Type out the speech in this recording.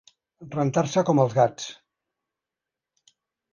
Rentar-se com els gats.